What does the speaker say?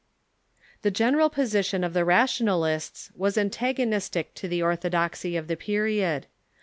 The general position of the rationalists was antagonistic to the orthodoxy of the period.